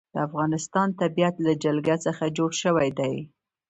د افغانستان طبیعت له جلګه څخه جوړ شوی دی.